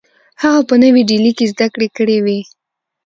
هغه په نوې ډیلي کې زدکړې کړې وې